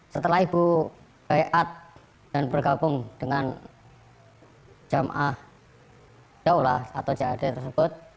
setelah ibu bergabung dengan jad tersebut